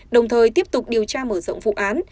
đồng thời tiếp tục điều tra mở rộng vụ án